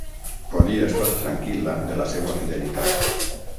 Podia estar tranquil·la de la seua fidelitat.